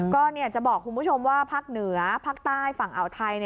ก็จะบอกคุณผู้ชมว่าภาคเหนือภาคใต้ฝั่งอ่าวไทย